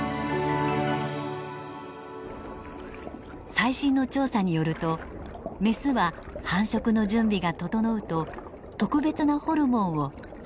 最新の調査によるとメスは繁殖の準備が整うと特別なホルモンを排せつ物に混ぜアピールするといいます。